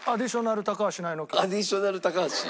アディショナル高橋？